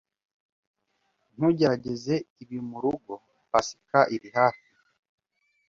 Ntugerageze ibi murugo. Pasika iri hafi